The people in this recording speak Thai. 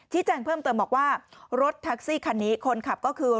แจ้งเพิ่มเติมบอกว่ารถแท็กซี่คันนี้คนขับก็คือ